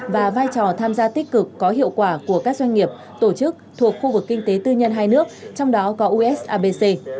và vai trò tham gia tích cực có hiệu quả của các doanh nghiệp tổ chức thuộc khu vực kinh tế tư nhân hai nước trong đó có usabc